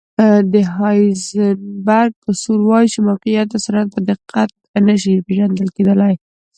د هایزنبرګ اصول وایي چې موقعیت او سرعت په دقت نه شي پېژندل کېدلی.